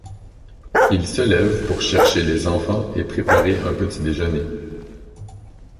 Il se lève pour chercher les enfants et préparer un petit-déjeuner.